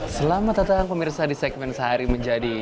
selamat datang pemirsa di segmen sehari menjadi